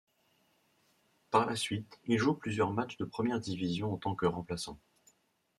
Par la suite il joue plusieurs matchs de première division en tant que remplaçant.